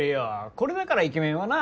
これだからイケメンはな。